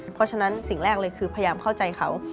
เพราะฉะนั้นสิ่งแรกเลยคือพยายามเข้าใจเขา